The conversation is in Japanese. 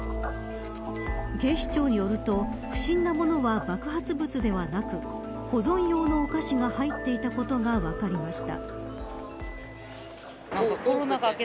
警視庁によると不審なものは爆発物ではなく保存用のお菓子が入っていたことが分かりました。